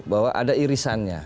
bahwa ada irisannya